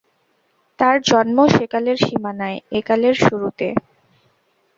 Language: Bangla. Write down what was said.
তাঁর জন্ম সেকালের সীমানায়, একালের শুরুতে।